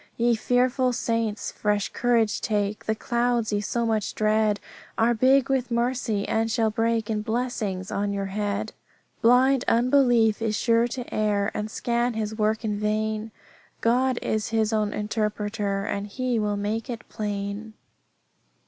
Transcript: "Ye fearful saints, fresh courage take, The clouds ye so much dread Are big with mercy, and shall break In blessings on your head. "Blind unbelief is sure to err, And scan his work in vain; God is His own interpreter, And He will make it plain."